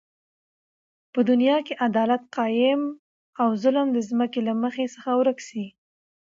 په دنیا کی عدالت قایم او ظلم د ځمکی له مخ څخه ورک سی